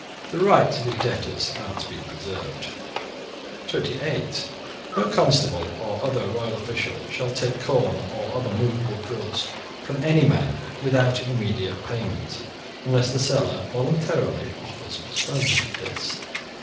The rights of his debtors are to be preserved. (28) No constable or other royal official shall take corn or other movable goods from any man without immediate payment, unless the seller voluntarily offers postponement of this.